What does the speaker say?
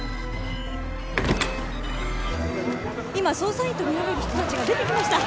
今捜査員とみられる人達が出てきました！